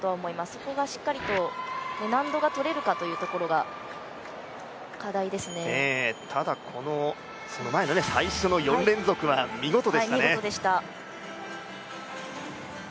そこがしっかり難度がとれるかというところがただ、その前の最初の４連続は見事でしたね。